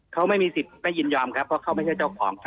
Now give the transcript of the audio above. เขาไม่มีสิทธิ์ไม่ยินยอมครับเพราะเขาไม่ใช่เจ้าของครับ